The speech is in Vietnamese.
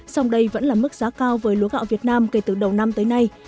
song đây vẫn là mức giá cao với lúa gạo việt nam kể từ đầu năm tới nay